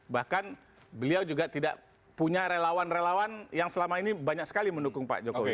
bahkan beliau juga tidak punya relawan relawan yang selama ini banyak sekali mendukung pak jokowi